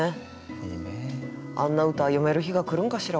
あんな歌詠める日が来るんかしら？